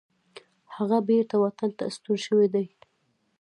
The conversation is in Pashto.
هغه بیرته وطن ته ستون شوی دی.